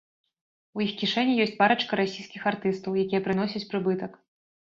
У іх кішэні ёсць парачка расійскіх артыстаў, якія прыносяць прыбытак.